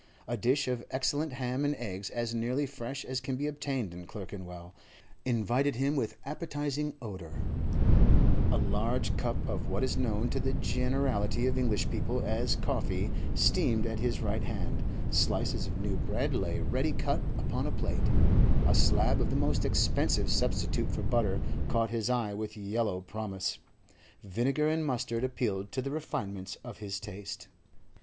A dish of excellent ham, and eggs as nearly fresh as can be obtained in Clerkenwell, invited him with appetising odour; a large cup of what is known to the generality of English people as coffee steamed at his right hand; slices of new bread lay ready cut upon a plate; a slab of the most expensive substitute for butter caught his eye with yellow promise; vinegar and mustard appealed to the refinements of his taste.